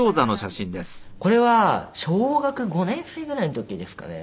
これは小学５年生ぐらいの時ですかね。